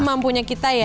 semampunya kita ya